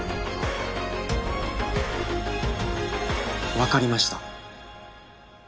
分かりました。